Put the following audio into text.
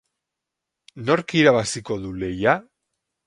Nork irabaziko du lehia?